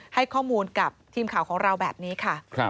ให้ข้อมูลกับทีมข่าวของเราแบบนี้ค่ะ